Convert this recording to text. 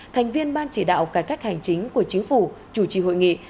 thành viên ban chỉ đạo cải cách hành chính của chính phủ chủ trì hội nghị